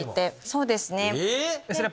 そうですね。